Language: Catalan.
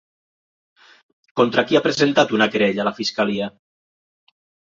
Contra qui ha presentat una querella la fiscalia?